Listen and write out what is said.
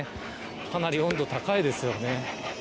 かなり温度高いですよね。